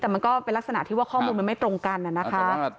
แต่มันก็เป็นลักษณะที่ว่าข้อมูลมันไม่ตรงกันนะคะ